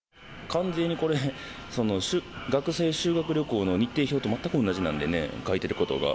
完全にこれ、学生修学旅行の日程表と全く同じなんでね、書いてることが。